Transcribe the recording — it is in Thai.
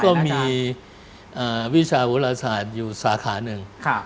ก็มีวิชาวุราศาสตร์อยู่สาขาหนึ่ง